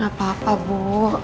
gak apa apa bu